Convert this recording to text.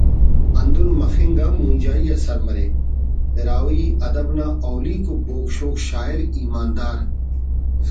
ہندن مخنگ آن مونجائی آ سر مریک براہوئی ادب نا اولیکو بوگ شوگ شاعر ایماندار